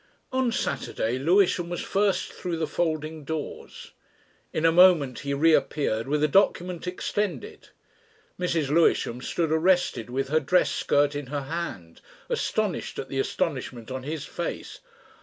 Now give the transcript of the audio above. On Saturday Lewisham was first through the folding doors. In a moment he reappeared with a document extended. Mrs. Lewisham stood arrested with her dress skirt in her hand, astonished at the astonishment on his face.